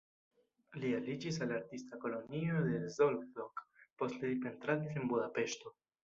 Li aliĝis al artista kolonio de Szolnok, poste li pentradis en Budapeŝto.